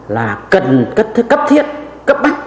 là cần cấp thiết cấp bách